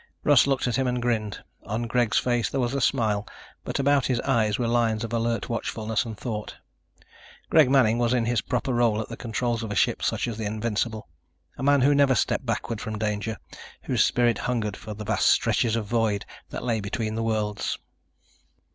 Russ looked at him and grinned. On Greg's face there was a smile, but about his eyes were lines of alert watchfulness and thought. Greg Manning was in his proper role at the controls of a ship such as the Invincible, a man who never stepped backward from danger, whose spirit hungered for the vast stretches of void that lay between the worlds.